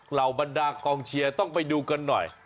เหล่าบรรดากองเชียร์ต้องไปดูกันหน่อย